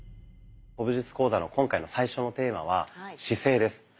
古武術講座の今回の最初のテーマは「姿勢」です。